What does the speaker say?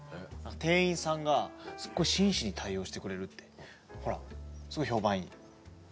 店員さんがすごい真摯に対応してくれるってほらすごい評判いいへえ